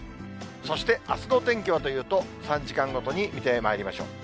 そしてあすのお天気はというと、３時間ごとに見てまいりましょう。